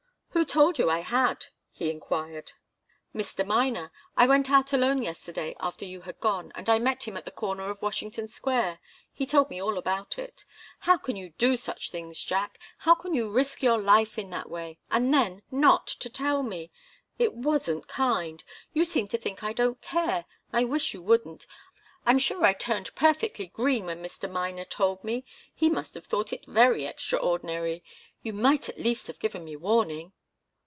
"Who told you I had?" he enquired. "Mr. Miner. I went out alone yesterday, after you had gone, and I met him at the corner of Washington Square. He told me all about it. How can you do such things, Jack? How can you risk your life in that way? And then, not to tell me! It wasn't kind. You seem to think I don't care. I wish you wouldn't! I'm sure I turned perfectly green when Mr. Miner told me he must have thought it very extraordinary. You might at least have given me warning."